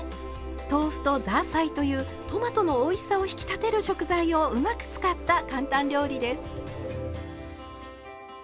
豆腐とザーサイというトマトのおいしさを引き立てる食材をうまく使った簡単料理です。